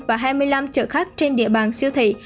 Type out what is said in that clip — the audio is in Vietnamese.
và hai mươi năm chợ khác trên địa bàn siêu thị